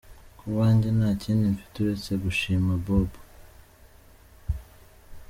"Ku bwanjye nta kindi mfite uretse gushima Bob.